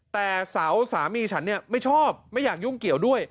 แต่เสาสามีฉันไม่ชอบไม่อยากยุ่งเกี่ยวด้วย